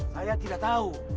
saya tidak tahu